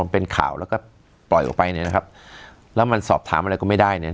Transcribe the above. เป็นข่าวแล้วก็ปล่อยออกไปเนี่ยนะครับแล้วมันสอบถามอะไรก็ไม่ได้เนี่ย